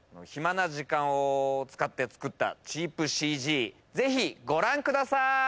暇な時間を使って作ったチープＣＧぜひご覧ください